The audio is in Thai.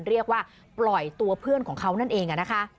เรียกว่าปล่อยตัวเพื่อนของเขานั่นเองนะคะ